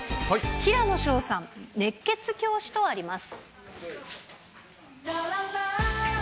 平野紫耀さん、熱血教師とあります。